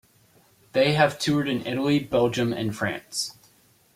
They have toured in Italy, Belgium and France.